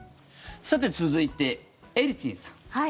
さて、続いてエリツィンさん。